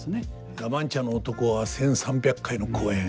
「ラ・マンチャの男」は１，３００回の公演。